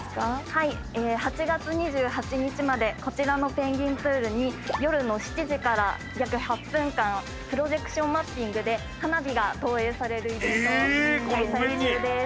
はい８月２８日までこちらのペンギンプールに夜の７時から約８分間プロジェクションマッピングで花火が投影されるイベントを開催中です。